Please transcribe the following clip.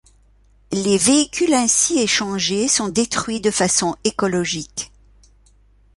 Les véhicules ainsi échangés sont détruits de façon écologique.